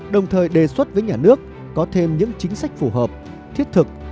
đồng thời đề xuất với nhà nước có thêm những chính sách phù hợp thiết thực